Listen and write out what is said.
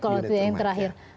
kalau tidak yang terakhir